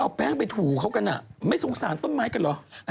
เอาแป้งไปถูเขากันไม่สงสารต้นไม้กันเหรอ